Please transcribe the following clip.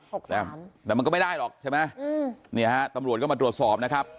แซมแต่มันก็ไม่ได้หรอกใช่ไหมอืมเนี่ยฮะตำรวจก็มาตรวจสอบนะครับ